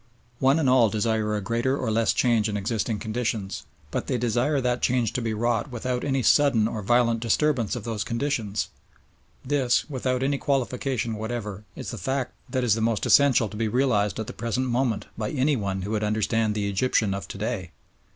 One and all desire a greater or less change in existing conditions, but they desire that change to be wrought without any sudden or violent disturbance of those conditions. This, without any qualification whatever, is the fact that is the most essential to be realised at the present moment by anyone who would understand the Egyptian of to day.